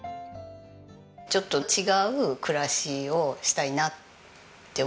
ちょっと違う暮らしをしたいなって思って。